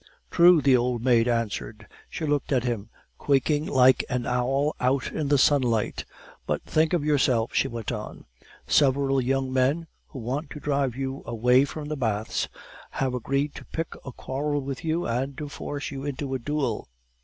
"True," the old maid answered. She looked at him, quaking like an owl out in the sunlight. "But think of yourself," she went on; "several young men, who want to drive you away from the baths, have agreed to pick a quarrel with you, and to force you into a duel."